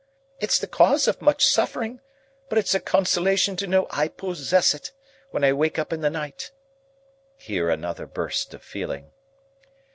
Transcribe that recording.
It's the cause of much suffering, but it's a consolation to know I posses it, when I wake up in the night." Here another burst of feeling.